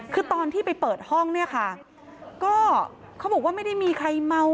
คือตอนที่ไปเปิดห้องเนี่ยค่ะก็เขาบอกว่าไม่ได้มีใครเมา